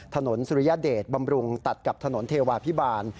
สุริยเดชบำรุงตัดกับถนนเทวาพิบาล